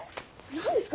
何ですか？